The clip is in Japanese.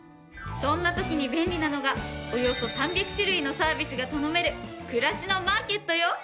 そんな時に便利なのがおよそ３００種類のサービスが頼めるくらしのマーケットよ。